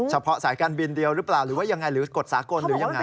สายการบินเดียวหรือเปล่าหรือว่ายังไงหรือกฎสากลหรือยังไง